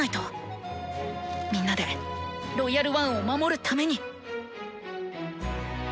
みんなで「ロイヤル・ワン」を守るために！